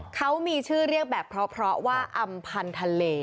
เขามีชื่อเรียกแบบเพราะว่าอำพันธ์ทะเล